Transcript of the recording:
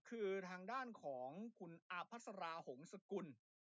คือทางด้านของคุณอาพัสราหงษกุล